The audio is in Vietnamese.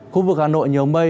khu vực hà nội nhiều mây